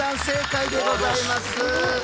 正解でございます。